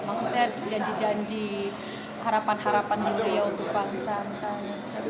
maksudnya janji janji harapan harapan gloria untuk pangsa misalnya